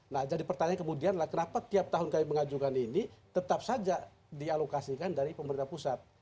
nah jadi pertanyaan kemudian kenapa tiap tahun kami mengajukan ini tetap saja dialokasikan dari pemerintah pusat